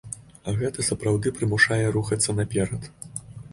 А гэта сапраўды прымушае рухацца наперад.